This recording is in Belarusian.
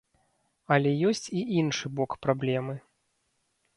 Але ёсць і іншы бок праблемы.